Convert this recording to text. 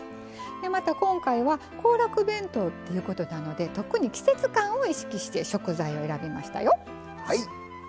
また今回は行楽弁当ということなので特に季節感を意識して食材を選びましたよ。